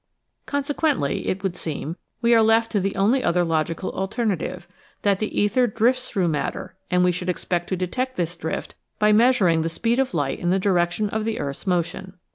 Consequently, it would seem, we are left to the only other logical alternative, that the ether drifts through matter and we should expect to detect this drift by measuring the speed of light in the direction of the earth's motion.